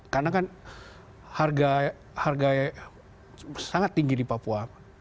karena kan harga harga sangat tinggi di papua